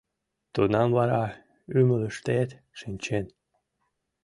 Тунам вара ӱмылыштет шинчен